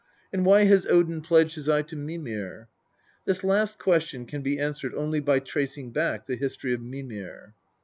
And why has Odin pledged his eye to Mimir ? This last question can be answered only by tracing back the history of Mimir.